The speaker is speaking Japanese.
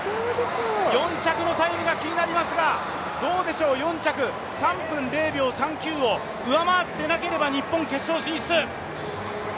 ４着のタイムが気になりますがどうでしょう、４着、３分０秒３９を上回っていなければ日本、決勝進出。